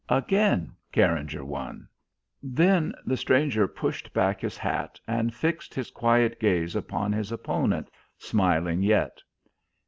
Again Carringer won. Then the stranger pushed back his hat, and fixed his quiet gaze upon his opponent, smiling yet.